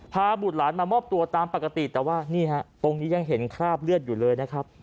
บุตรหลานมามอบตัวตามปกติแต่ว่านี่ฮะตรงนี้ยังเห็นคราบเลือดอยู่เลยนะครับ